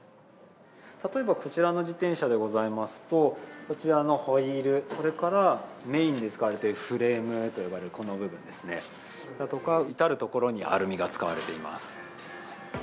例えばこちらの自転車でございますと、こちらのホイール、それからメインで使われているフレームと呼ばれるこの部分ですね、だとか、至る所にアルミが使われています。